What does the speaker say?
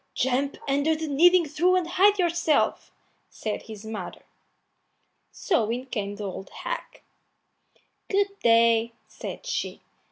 "Jump under the kneading trough and hide yourself," said his mother. So in came the old hag. "Good day," said she.